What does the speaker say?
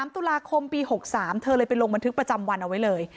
๓ตุลาคมปี๖๓เธอเลยไปลงบันทึกประจำวันเอาไว้เลย